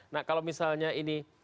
nah kalau misalnya ini